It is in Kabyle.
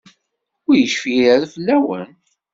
Ur yecfi ara fell-awen?